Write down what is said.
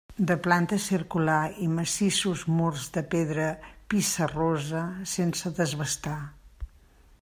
De planta circular i massissos murs de pedra pissarrosa sense desbastar.